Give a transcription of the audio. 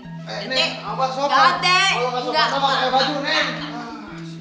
kalau nggak sopan abah pakai baju neng